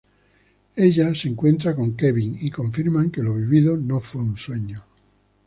Ella se reencuentra con Kevin y confirman que lo vivido no fue un sueño.